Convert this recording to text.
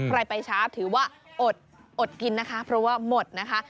ไปช้าถือว่าอดกินนะคะเพราะว่าหมดนะคะ